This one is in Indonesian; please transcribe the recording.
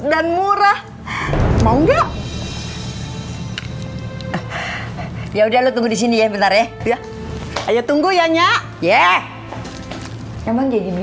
dan murah mau nggak ya udah lu tunggu di sini ya benar ya iya ayo tunggu ya nya ye emang jadi